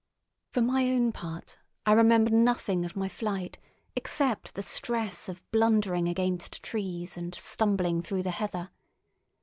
For my own part, I remember nothing of my flight except the stress of blundering against trees and stumbling through the heather.